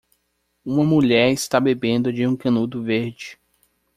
Uma mulher está bebendo de um canudo verde.